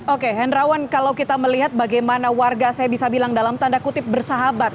oke hendrawan kalau kita melihat bagaimana warga saya bisa bilang dalam tanda kutip bersahabat